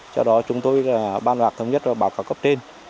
do đó chúng tôi ban loạt thống nhất và báo cáo cấp trên